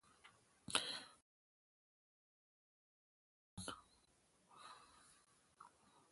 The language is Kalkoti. می شی کلکوٹ مے° نان۔